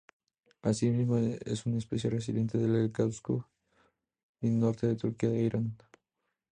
Asimismo, es una especie residente en el Cáucaso y norte de Turquía e Irán.